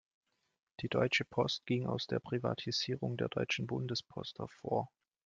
Die Deutsche Post ging aus der Privatisierung der Deutschen Bundespost hervor.